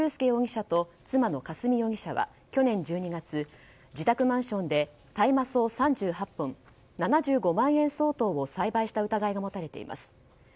容疑者と妻の霞容疑者は去年１２月自宅マンションで大麻草３８本７５万円相当を栽培した疑いが持たれています。